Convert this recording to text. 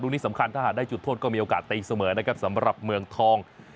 นี้สำคัญถ้าหากได้จุดโทษก็มีโอกาสตีเสมอนะครับสำหรับเมืองทอง